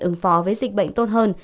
ứng phó với dịch bệnh tốt hơn